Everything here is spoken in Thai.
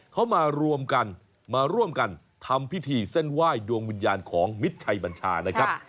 เขามารวมกันมาร่วมกันทำพิธีเส้นไหว้ดวงวิญญาณของมิตรชัยบัญชานะครับ